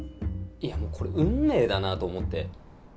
いやもうこれ運命だなと思って。